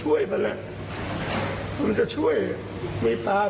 เหมือนผมคนดีมาก